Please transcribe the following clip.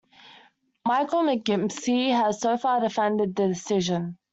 Michael McGimpsey has so far defended the decision.